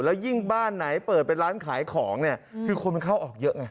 แล้วยิ่งบ้านไหนเปิดเป็นร้านขายของเนี่ยคือคนมันเข้าออกเยอะไง